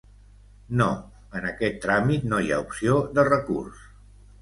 No, en aquest tràmit no hi ha opció de recurs.